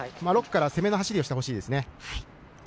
６区から攻めの走りをしてほしいですね。